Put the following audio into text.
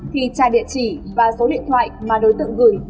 khi trà địa chỉ và số điện thoại mà đối tượng gửi